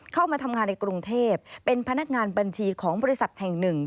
เข้ามาทำงานในกรุงเทพเป็นพนักงานบัญชีของบริษัทแห่งหนึ่ง